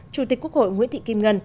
chủ tịch quốc hội nguyễn thị kim ngân